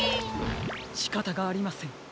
しかたがありません。